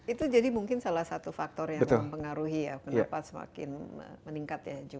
itu jadi mungkin salah satu faktor yang mempengaruhi ya pendapat semakin meningkat ya